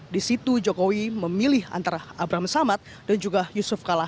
disitu jokowi memilih antara abramsamat dan juga yusuf kala